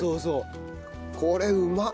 これうまっ！